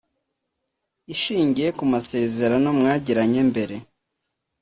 Ishingiye ku masezerano mwagiranye mbere